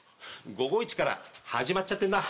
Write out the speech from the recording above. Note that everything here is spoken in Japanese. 午後一から始まっちゃってんな。